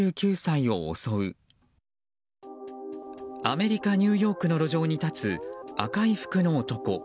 アメリカ・ニューヨークの路上に立つ赤い服の男。